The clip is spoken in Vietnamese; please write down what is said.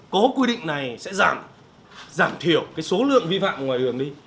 có quy định này sẽ giảm thiểu số lượng vi phạm ngoài hường đi